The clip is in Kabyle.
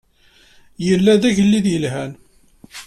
Yella d agellid yelhan.